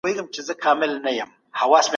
ستاسو په وجود کي به د کار کولو مینه زیاتیږي.